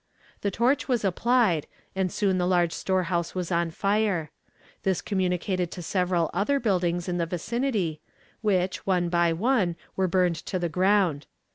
The torch was applied, and soon the large storehouse was on fire. This communicated to several other buildings in the vicinity, which, one by one, were burned to the ground.